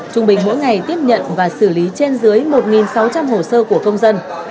trung bình mỗi ngày tiếp nhận và xử lý trên dưới một sáu trăm linh hồ sơ của công dân